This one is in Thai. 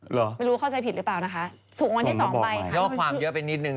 เหรอไม่รู้เข้าใจผิดหรือเปล่านะคะถูกวันที่สองไปค่ะย่อความเยอะไปนิดนึง